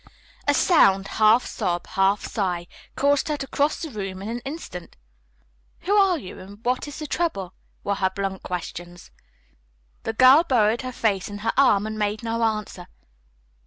A sound, half sob, half sigh, caused her to cross the room in an instant. "Who are you, and what is the trouble?" were her blunt questions. The girl burrowed her face in her arm and made no answer.